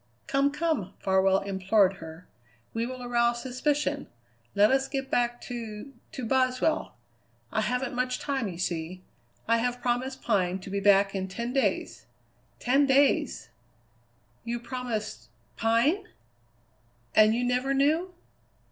"Come, come," Farwell implored her; "we will arouse suspicion. Let us get back to to Boswell. I haven't much time, you see. I have promised Pine to be back in ten days. Ten days!" "You promised Pine?" "And you never knew?"